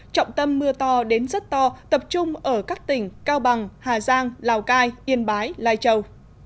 trọng tâm mưa to đến rất to tập trung ở các tỉnh cao bằng hà giang lào cai yên bái lai châu